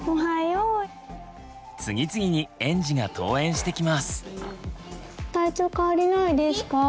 次々に園児が登園してきます。